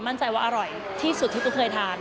มั่นใจว่าอร่อยที่สุดที่ตุ๊กเคยทาน